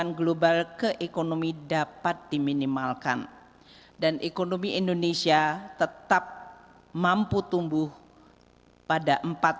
yang global ke ekonomi dapat diminimalkan dan ekonomi indonesia tetap mampu tumbuh pada empat